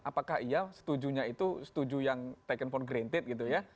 apakah iya setujunya itu setuju yang taken phone granted gitu ya